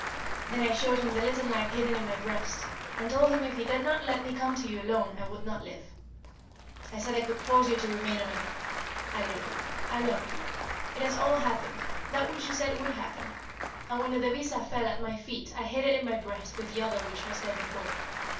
Then I showed him the little knife hidden in my breast, and told him if he did not let me come to you alone I would not live. I said I could force you to remain on earth. I love you I love you. It has all happened, that which you said would happen; and when the devisa fell at my feet I hid it in my breast with the other which was there before.